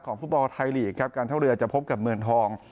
ของฝุ่นปลทายฬีการท่องเรือจะพบกับเมืองทอง